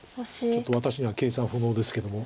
ちょっと私には計算不能ですけども。